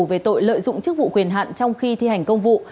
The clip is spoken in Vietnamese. về tội lợi dụng chức vụ quyền hạn trong khi thi hành công vụ